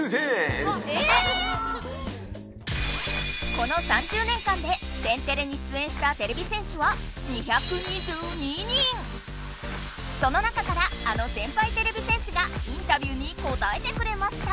この３０年間で「天てれ」に出演したてれび戦士はその中からあの先輩てれび戦士がインタビューに答えてくれました。